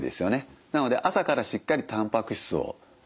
なので朝からしっかりたんぱく質をとりましょうと。